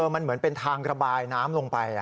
มันเหมือนเป็นทางระบายน้ำลงไป